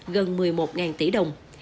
gần một mươi một tỷ đồng